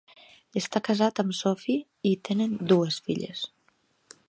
Està casat amb Sophie i tenen dues filles.